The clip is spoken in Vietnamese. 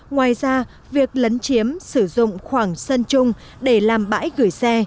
ngoài ra việc lấn chiếm sử dụng khoảng sân chung để làm bãi gửi xe